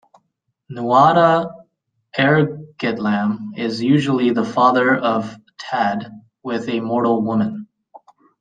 Nuada Airgetlam is usually the father of Tadg with a mortal woman.